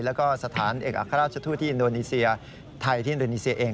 แล้วก็สถานเอกอัครราชทูตที่อินโดนีเซียไทยที่อินโดนีเซียเอง